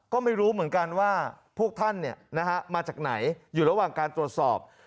ก็ไม่รู้เหมือนกันว่าพวกท่านมาจากไหนอยู่ระหว่างการตรวจสอบ